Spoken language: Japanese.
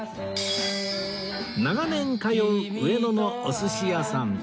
長年通う上野のお寿司屋さん